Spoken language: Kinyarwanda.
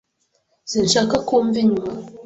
Sinshaka kumva inyuma.